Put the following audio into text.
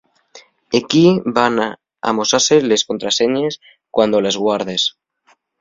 Equí van amosase les contraseñes cuando les guardes.